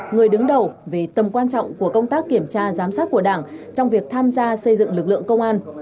người đứng đầu về tầm quan trọng của công tác kiểm tra giám sát của đảng trong việc tham gia xây dựng lực lượng công an